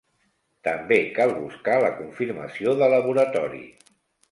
També cal buscar la confirmació de laboratori.